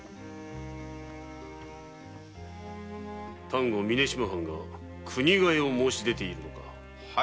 丹後峯島藩が国替えを申し出ているのか。